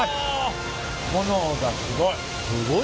炎がすごい。